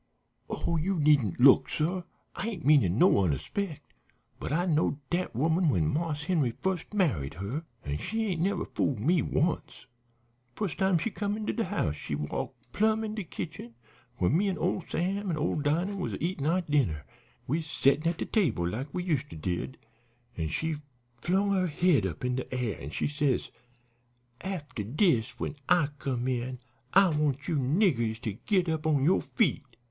"Oh, you needn't look, suh! I ain't meanin' no onrespect, but I knowed dat woman when Marse Henry fust married her, an' she ain't never fooled me once. Fust time she come into de house she walked plumb in de kitchen, where me an' old Sam an' ole Dinah was a eaten our dinner, we setten at de table like we useter did, and she flung her head up in de air and she says: 'After dis when I come in I want you niggers to git up on yo' feet.'